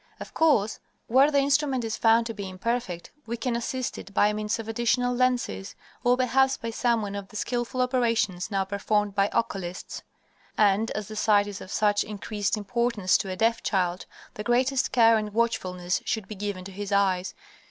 Of course, where the instrument is found to be imperfect we can assist it by means of additional lenses, or perhaps by some one of the skillful operations now performed by oculists, and, as the sight is of such increased importance to a deaf child, the greatest care and watchfulness should be given to his eyes.